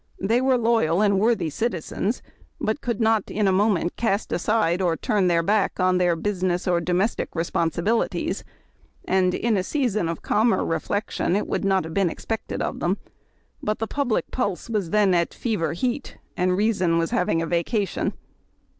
They were loyal and worthy citizens, and could not in a moment cast aside or turn their back on their business or domestic responsibilities, and in a season of calmer reflection it would not have been ex pected of them. But the public pulse was then at fever heat, and reason was having a vacation.